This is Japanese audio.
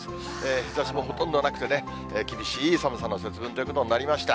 日ざしもほとんどなくてね、厳しい寒さの節分ということになりました。